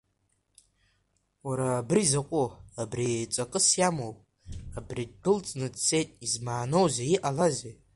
Уара абри закәи, абри ҵакыс иамоуи, абри ддәылҵны дцеит, измааноузеи, иҟалази?